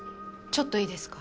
ちょっといいですか？